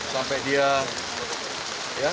sampai dia keluar dari rumah ini